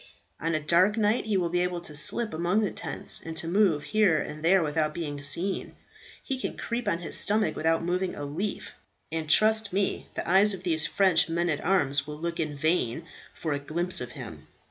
On a dark night he will be able to slip among the tents, and to move here and there without being seen. He can creep on his stomach without moving a leaf, and trust me the eyes of these French men at arms will look in vain for a glimpse of him."